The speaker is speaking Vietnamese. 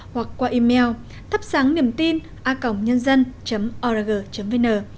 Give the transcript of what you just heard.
hoặc qua email thapsangniemtina org vn